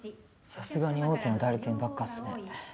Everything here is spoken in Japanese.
さすがに大手の代理店ばっかっすね。